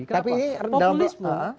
tapi rendah enggak pak